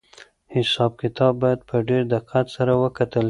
حساب کتاب باید په ډېر دقت سره ولیکل شي.